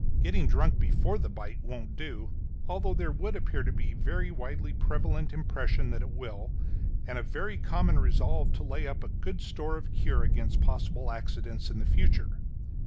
Getting drunk before the bite won't do, although there would appear to be a very widely prevalent impression that it will, and a very common resolve to lay up a good store of cure against possible accidents in the future.